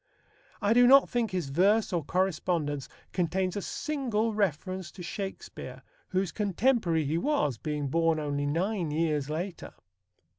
I do not think his verse or correspondence contains a single reference to Shakespeare, whose contemporary he was, being born only nine years later.